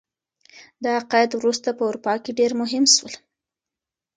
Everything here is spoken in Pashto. دا عقاید وروسته په اروپا کي ډیر مهم سول.